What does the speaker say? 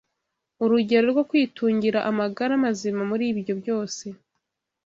urugero rwo kwitungira amagara mazima muri ibyo byose